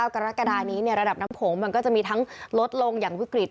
กรกฎานี้ระดับน้ำโขงมันก็จะมีทั้งลดลงอย่างวิกฤต